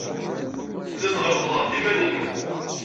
Telliḍ tɣellqeḍ ɣef yiman-nnem.